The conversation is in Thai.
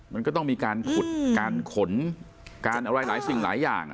มันก็ต้องมีการขุดการขนการอะไรหลายสิ่งหลายอย่าง